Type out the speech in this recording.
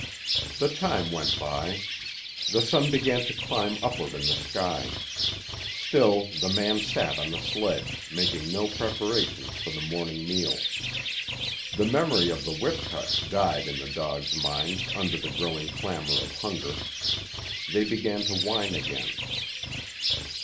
The time went by. The sun began to climb upward in the sky. Still the man sat on the sledge, making no preparations for the morning meal. The memory of the whip cuts died in the dogs' minds under the growing clamour of hunger. They began to whine again.